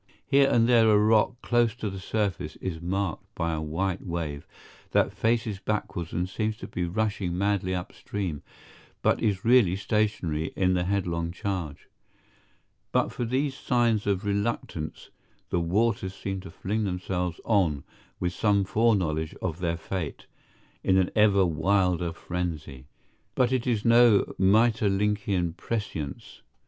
Here and there a rock close to the surface is marked by a white wave that faces backwards and seems to be rushing madly up stream, but is really stationary in the headlong charge. But for these signs of reluctance, the waters seem to fling themselves on with some foreknowledge of their fate, in an ever wilder frenzy. But it is no Maeterlinckian prescience.